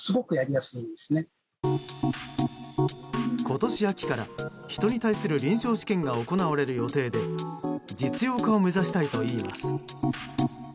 今年秋から、人に対する臨床試験が行われる予定で実用化を目指したいといいます。